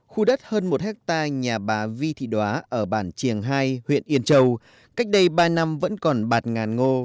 khu đất hơn một hectare nhà bà vi thị đoá ở bản triềng hai huyện yên châu cách đây ba năm vẫn còn bạt ngàn ngô